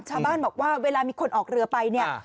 ชาวบ้านบอกว่าเวลามีคนออกเรือไปเนี่ย